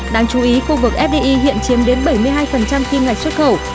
đáng chú ý khu vực fdi hiện chiếm đến bảy mươi hai kim ngạch xuất khẩu